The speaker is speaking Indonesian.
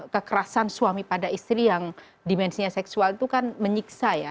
kekerasan suami pada istri yang dimensinya seksual itu kan menyiksa ya